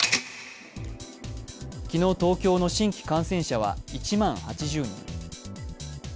昨日、東京の新規感染者は１万８０人。